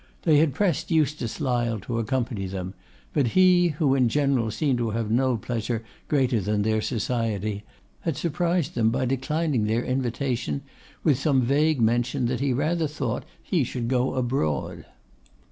They had pressed Eustace Lyle to accompany them, but he, who in general seemed to have no pleasure greater than their society, had surprised them by declining their invitation, with some vague mention that he rather thought he should go abroad.